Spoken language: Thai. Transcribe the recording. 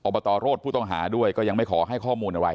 บตรโรธผู้ต้องหาด้วยก็ยังไม่ขอให้ข้อมูลอะไร